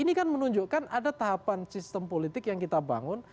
ini kan menunjukkan ada tahapan sistem politik yang kita bangun